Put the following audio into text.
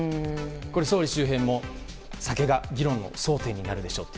総理周辺も酒が議論の焦点になるでしょうと。